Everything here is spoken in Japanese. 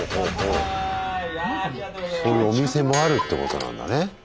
そういうお店もあるってことなんだね。